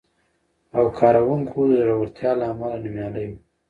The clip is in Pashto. او کارونکو د زړورتیا له امله نومیالی و،